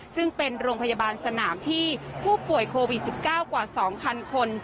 ซึ่งเป็นโรงพยาบาลสนามที่ผู้ป่วยโควิด๑๙กว่า๒๐๐คน